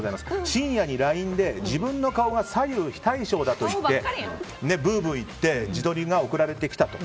深夜にＬＩＮＥで自分の顔が左右非対称だとブーブー言って自撮りが送られてきたと。